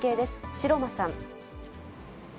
城間さん。